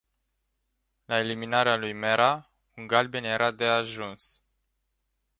La eliminarea lui Mera, un galben era de ajuns.